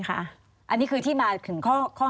ทำไมเขาถึงโดนเรื่องรักซับใช่ไหม